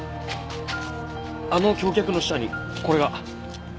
あの橋脚の下にこれが。